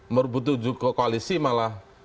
merebut tujuh koalisi malah